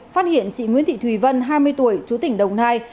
phát hiện chị nguyễn thị thùy vân hai mươi tuổi chú tỉnh đồng nai